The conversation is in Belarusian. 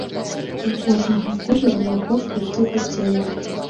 У кожнага колеру не больш пяці адценняў.